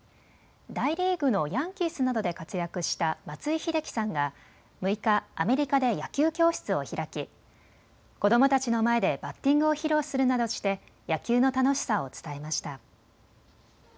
大リーグのヤンキースなどで活躍した松井秀喜さんが６日、アメリカで野球教室を開き子どもたちの前でバッティングを披露するなどして野球の楽しさを伝えました。